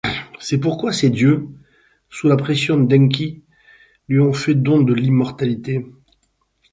C'est pourquoi ces dieux, sous la pression d'Enki, lui ont fait don de l'immortalité.